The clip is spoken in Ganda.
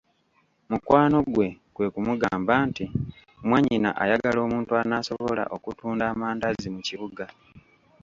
Mukwano gwe kwe kumugamba nti mwannyina ayagala omuntu anaasobola okutunda amandaazi mu kibuga.